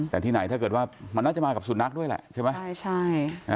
แต่ที่ไหนถ้าเกิดว่ามันน่าจะมากับสุนัขด้วยแหละใช่ไหมใช่ใช่